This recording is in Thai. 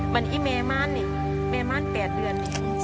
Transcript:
มันไอ้แม่ม่านเนี่ยแม่ม่าน๘เดือน